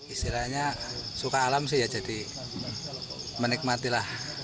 istilahnya suka alam sih ya jadi menikmatilah